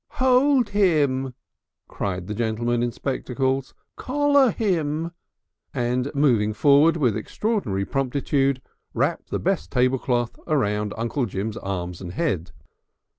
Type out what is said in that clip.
"Hold him!" cried the gentleman in spectacles. "Collar him!" and moving forward with extraordinary promptitude wrapped the best tablecloth about Uncle Jim's arms and head.